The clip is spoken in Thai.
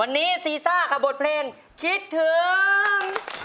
วันนี้ซีซ่ากับบทเพลงคิดถึง